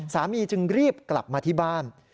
จึงรีบกลับมาที่บ้าน